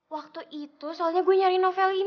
waktu itu soalnya gue nyari novel ini